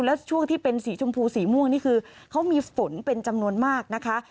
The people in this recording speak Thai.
แล้วช่วงที่เป็นสีชมพูสีม่วงนี่คือเขามีฝนเป็นจำนวนมากนะคะ